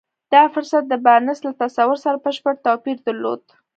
دا فرصت د بارنس له تصور سره بشپړ توپير درلود.